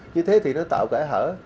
như thế thì nó tạo cãi hở